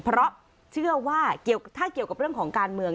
เพราะเชื่อว่าถ้าเกี่ยวกับเรื่องของการเมือง